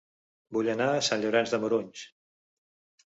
Vull anar a Sant Llorenç de Morunys